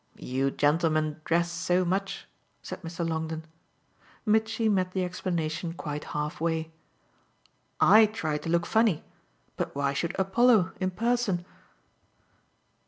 "You gentlemen dress so much," said Mr. Longdon. Mitchy met the explanation quite halfway. "I try to look funny but why should Apollo in person?"